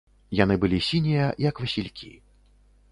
Яны былі сінія, як васількі.